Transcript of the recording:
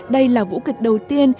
đây là vũ kịch đầu tiên